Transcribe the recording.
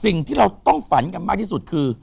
สิ่งที่เราต้องฝันกันมากที่สุดคือ